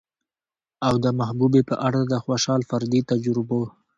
او د محبوبې په اړه د خوشال فردي تجربو